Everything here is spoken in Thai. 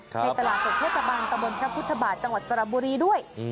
ในตลาดจุดเทศบังกระบวนของพุทธบาทจังหวัดตราบุรีด้วย